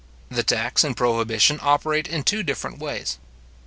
The tax and prohibition operate in two different ways.